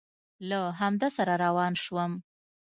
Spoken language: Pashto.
له همده سره روان شوم.